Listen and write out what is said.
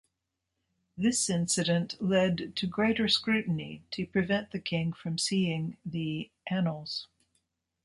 This incident led to greater scrutiny to prevent the king from seeing the "Annals".